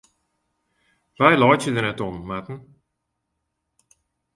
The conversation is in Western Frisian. Wy laitsje der net om, Marten.